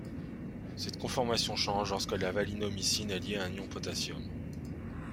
Cette conformation change lorsque la valinomycine est liée à un ion potassium.